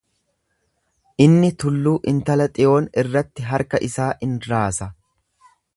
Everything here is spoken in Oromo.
Inni tulluu intala Xiyoon irratti harka isaa in raasa.